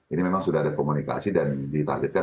ini memang sudah ada komunikasi dan ditargetkan